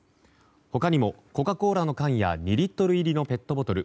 他にもコカ・コーラの缶や２リットル入りのペットボトル